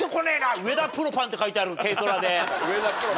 「上田プロパン」って書いてある軽トラでナンパして。